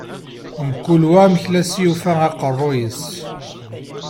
Mkul wa amek I as-yufa aqeṛṛu-s.